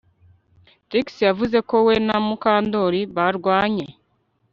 Trix yavuze ko we na Mukandoli barwanye